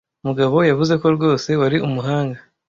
Mugabo yavuze ko rwose wari umuhanga